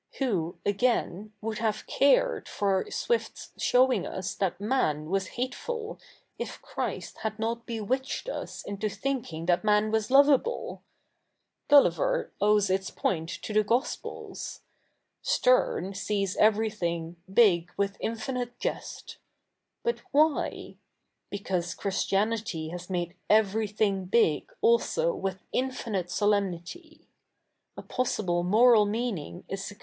Who, again, would have cared for Swiff s showi?ig us that man was hateful, if Christ had not bewitched us into thinking that man was loveable ? Gulliver owes its foint to the Gospels. Sterne sees everything ^^ big with infinite jest.^^ But why? Be cause Christianity has made everything big also with infinite solem?iity. A possible moral mea?iing is sec?'